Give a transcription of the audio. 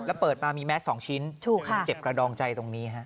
แล้วเปิดมามีแมส๒ชิ้นเจ็บกระดองใจตรงนี้ฮะ